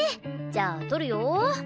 じゃあ撮るよー！